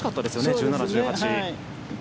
１７、１８。